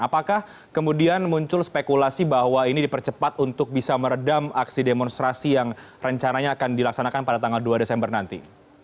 apakah kemudian muncul spekulasi bahwa ini dipercepat untuk bisa meredam aksi demonstrasi yang rencananya akan dilaksanakan pada tanggal dua desember nanti